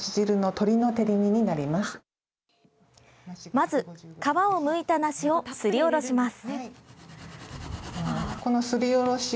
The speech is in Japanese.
まず、皮をむいた梨をすりおろします。